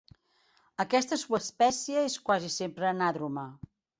Aquesta subespècie és quasi sempre anàdroma.